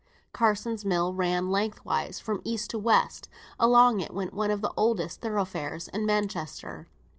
Carsons' mill ran lengthways from east to west. Along it went one of the oldest thoroughfares in Manchester.